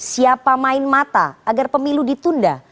siapa main mata agar pemilu ditunda